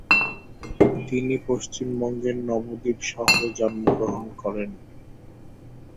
তিনি পশ্চিমবঙ্গের নবদ্বীপ শহরে জন্মগ্রহণ করেন।